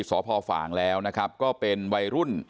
สพฝ่างแล้วนะครับก็เป็นวัยรุ่น